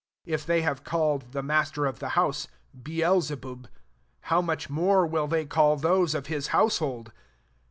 If they htive called the master of the house Beelsebob, how much more will they caU\ those of his household